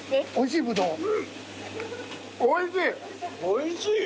おいしい！